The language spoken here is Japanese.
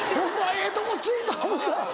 ええとこ突いた思うたら。